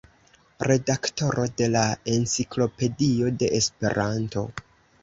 Redaktoro de la Enciklopedio de Esperanto.